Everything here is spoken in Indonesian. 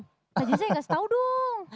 kak jose kasih tau dong